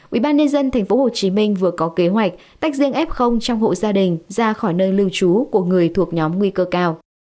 ubnd tp hcm vừa có kế hoạch tách riêng f trong hộ gia đình ra khỏi nơi lưu trú của người thuộc nhóm nguy cơ cao